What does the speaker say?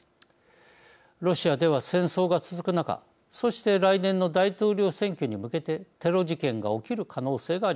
ロシアでは戦争が続く中そして来年の大統領選挙に向けてテロ事件が起きる可能性があります。